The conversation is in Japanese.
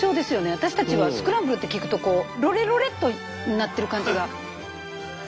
私たちはスクランブルって聞くとロレロレっとなってる感じが。